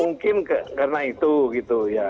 mungkin karena itu gitu ya